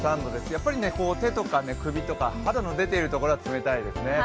やっぱり手とか首とか、肌の出ているところは冷たいですね。